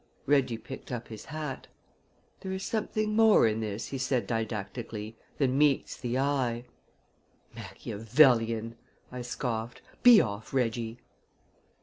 Reggie picked up his hat. "There is something more in this," he said didactically, "than meets the eye!" "Machiavellian!" I scoffed. "Be off, Reggie!"